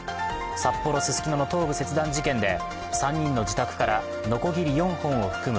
札幌・ススキノの頭部切断事件で３人の自宅からのこぎり４本を含む